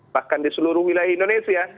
bahkan di seluruh wilayah indonesia